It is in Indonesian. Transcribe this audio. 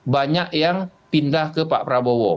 banyak yang pindah ke pak prabowo